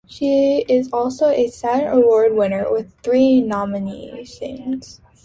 She is also a Saturn Award winner with three nominations.